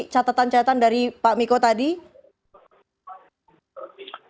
catatan catatan dari pak miko tadi